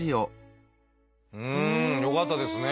うんよかったですね。